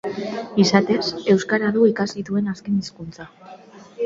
Izatez, euskara du ikasi duen azken hizkuntza.